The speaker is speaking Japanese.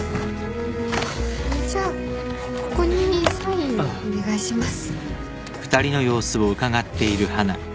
じゃあここにサインをお願いします。